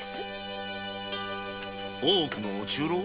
大奥のお中臈？